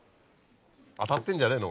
当たってんじゃねえの？